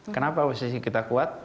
kenapa posisi kita kuat